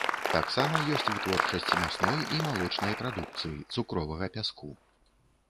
Таксама ёсць вытворчасць мясной і малочнай прадукцыі, цукровага пяску.